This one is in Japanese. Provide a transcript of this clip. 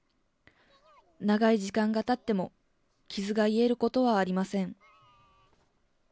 長い時間がたっても傷が癒えることはありません。